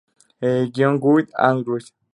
Guion: Guy Andrews.